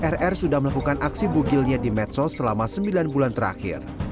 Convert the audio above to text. rr sudah melakukan aksi bugilnya di medsos selama sembilan bulan terakhir